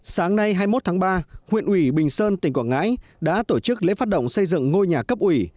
sáng nay hai mươi một tháng ba huyện ủy bình sơn tỉnh quảng ngãi đã tổ chức lễ phát động xây dựng ngôi nhà cấp ủy